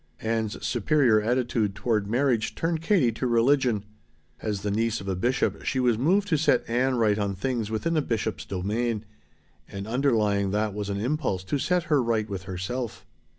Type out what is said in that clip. Ann's superior attitude toward marriage turned Katie to religion. As the niece of a bishop she was moved to set Ann right on things within a bishop's domain. And underlying that was an impulse to set her right with herself.